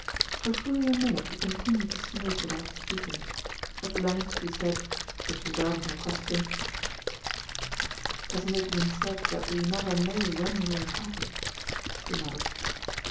For fully a minute he continued to smoke without speaking. At length he said, disregarding her question — "Hasn't it been said that we never know when we are happy?" She nodded.